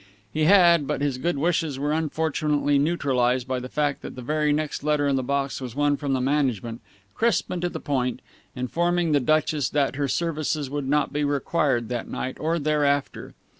He had, but his good wishes were unfortunately neutralized by the fact that the very next letter in the box was one from the management, crisp and to the point, informing the Duchess that her services would not be required that night or thereafter.